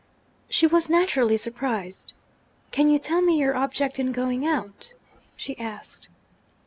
She was naturally surprised. 'Can you tell me your object in going out?' she asked.